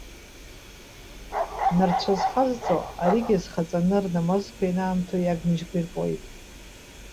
Нарцәы азхазҵо, аригьы азхаҵаны рнамазқәа ианаамҭоу иагмыжькәа иркуеит.